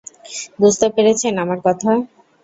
বুঝতে পেরেছেন আমার কথা?